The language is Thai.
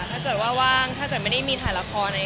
ถ้าเกิดว่าว่างถ้าเกิดไม่ได้มีถ่ายละครก็ออกประจำ